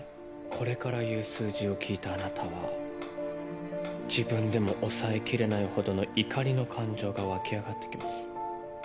これから言う数字を聞いたあなたは自分でも抑えきれないほどの怒りの感情が沸き上がってきます。